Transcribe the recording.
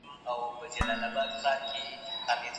د خوب خونې شور کم وساتئ.